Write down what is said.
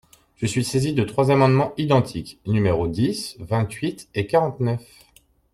Je suis saisi de trois amendements identiques, numéros dix, vingt-huit et quarante-neuf.